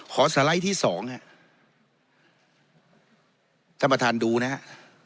สไลด์ที่สองฮะท่านประธานดูนะฮะ